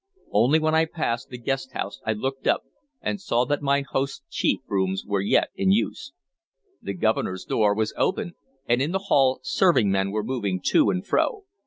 Only when I passed the guest house I looked up, and saw that mine host's chief rooms were yet in use. The Governor's door was open, and in the hall servingmen were moving to and fro.